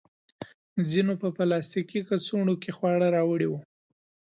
ځینو په پلاستیکي کڅوړو کې خواړه راوړي وو.